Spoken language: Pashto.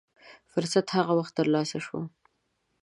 فرصت هغه وخت تر لاسه شو.